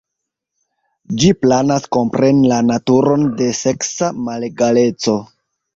Ĝi planas kompreni la naturon de seksa malegaleco.